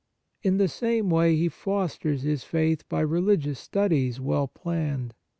In the same way, he fosters his faith by religious studies well planned.